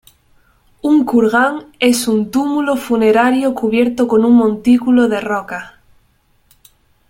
Un kurgán es un túmulo funerario cubierto con un montículo de rocas.